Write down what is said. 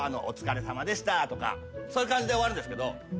「お疲れさまでした」とかそういう感じで終わるんですけど。